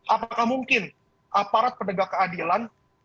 apakah mungkin aparat penegak keadilan